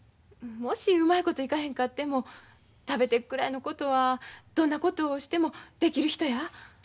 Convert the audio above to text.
もしうまいこといかへんかっても食べていくくらいのことはどんなことをしてもできる人や。